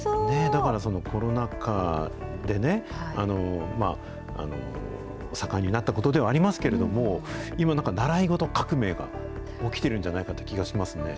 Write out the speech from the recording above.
だから、そのコロナ禍でね、盛んになったことではありますけれども、今、なんか習い事革命が起きてるんじゃないかって気がしますね。